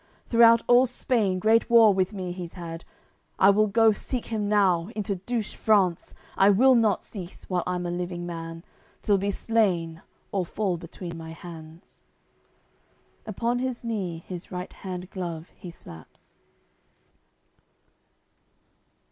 Throughout all Spain great war with me he's had; I will go seek him now, into Douce France, I will not cease, while I'm a living man, Till be slain, or fall between my hands." Upon his knee his right hand glove he slaps.